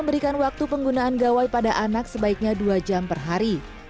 memberikan waktu penggunaan gawai pada anak sebaiknya dua jam per hari